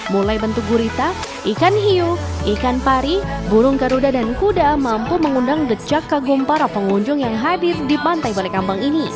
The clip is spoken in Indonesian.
mulai bentuk gurita ikan hiu ikan pari burung karuda dan kuda mampu mengundang berita